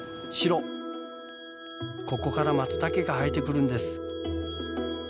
ここからマツタケが生えてくるんです。